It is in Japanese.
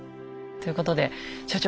ということで所長